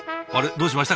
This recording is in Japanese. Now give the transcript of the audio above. どうしました？